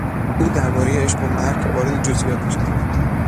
او دربارهی عشق و مرگ وارد جزییات میشود.